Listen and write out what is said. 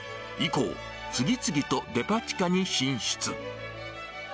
以降、次々とデパ地下に進出。